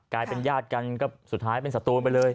กลายเป็นญาติกันก็สุดท้ายเป็นสตูนไปเลย